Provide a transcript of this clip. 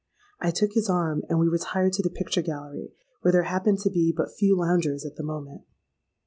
I took his arm, and we retired to the picture gallery, where there happened to be but few loungers at the moment.